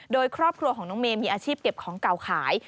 โดยครอบครัวของน้องเมย์มีอาชีพเก็บของเก่าขาย